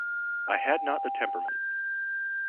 I had not the temperament.